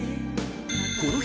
［この日］